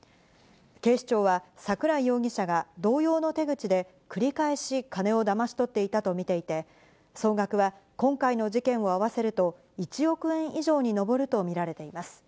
警視庁は桜井容疑者が同様の手口で、繰り返し金をだまし取っていたと見ていて、総額は今回の事件を合わせると、１億円以上に上ると見られています。